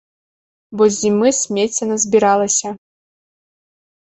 Бо з зімы смецця назбіралася.